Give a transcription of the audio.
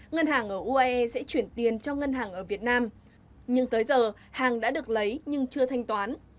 ngân hàng ở uae sẽ chuyển tiền cho ngân hàng ở việt nam nhưng tới giờ hàng đã được lấy nhưng chưa thanh toán